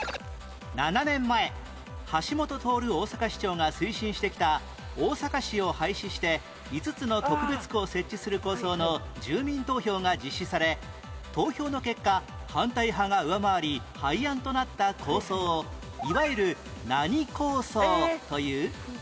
７年前橋下徹大阪市長が推進してきた大阪市を廃止して５つの特別区を設置する構想の住民投票が実施され投票の結果反対派が上回り廃案となった構想をいわゆる何構想という？